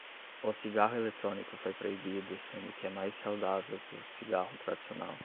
O cigarro eletrônico foi proibido sendo que é mais saudável que o cigarro tradicional